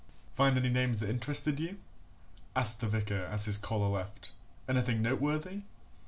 "Find any names that interested you?" asked the vicar as his caller left. "Anything noteworthy?"